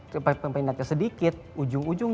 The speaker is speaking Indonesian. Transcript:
tapi permintaannya sedikit ujung ujung